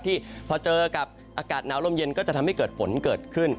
ที่พอเจอกับอากาศหนาวลมเย็นก็จะทำให้เกิดฝนเกิดขึ้น